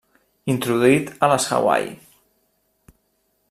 Introduït a les Hawaii.